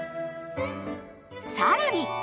更に！